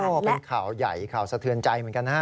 ก็เป็นข่าวใหญ่ข่าวสะเทือนใจเหมือนกันนะฮะ